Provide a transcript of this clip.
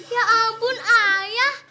ya ampun ayah